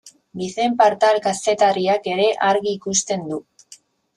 Vicent Partal kazetariak ere argi ikusten du.